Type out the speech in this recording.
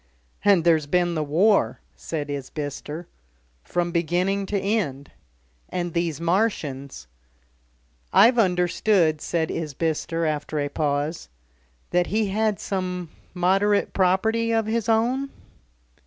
"And there's been the War," said Isbister. "From beginning to end." "And these Martians." "I've understood," said Isbister after a pause, "that he had some moderate property of his own?"